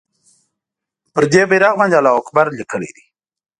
پر دې بېرغ باندې الله اکبر لیکلی دی.